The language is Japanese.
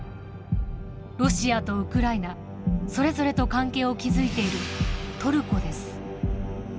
ロシアとウクライナそれぞれと関係を築いているトルコです。